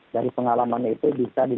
dari pengalaman itu bisa